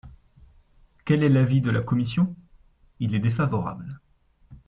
Quel est l’avis de la commission ? Il est défavorable.